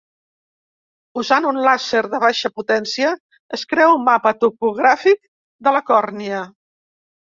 Usant un làser de baixa potència, es crea un mapa topogràfic de la còrnia.